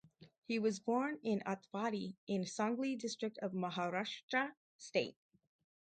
He was born in Atpadi, in Sangli district of Maharashtra state.